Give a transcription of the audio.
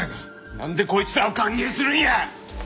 なんでこいつらを歓迎するんや！